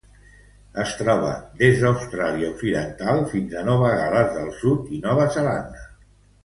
Es troba des d'Austràlia Occidental fins a Nova Gal·les del Sud i Nova Zelanda.